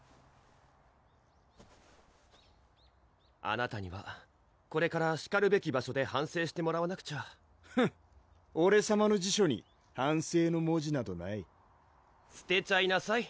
あなたにはこれからしかるべき場所で反省してもらわなくちゃフッオレさまの辞書に「反省」の文字などないすてちゃいなさい